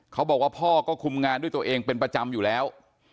เขาบอกว่าพ่อก็คุมงานด้วยตัวเองเป็นประจำอยู่แล้ว